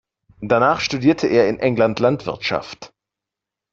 Danach studierte er in England Landwirtschaft.